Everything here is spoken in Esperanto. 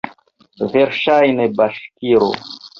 Verŝajne, baŝkiro!